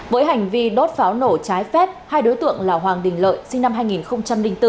với hành vi đốt pháo nổ trái phép hai đối tượng là hoàng đình lợi sinh năm hai nghìn bốn